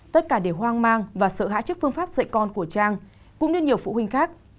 tất cả đều hoang mang và sợ hã trước phương pháp dạy con của trang cũng như nhiều phụ huynh khác